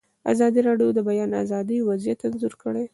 ازادي راډیو د د بیان آزادي وضعیت انځور کړی.